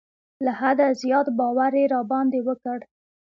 له حده زیات باور یې را باندې وکړ.